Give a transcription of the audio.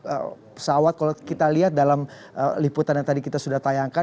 pesawat kalau kita lihat dalam liputan yang tadi kita sudah tayangkan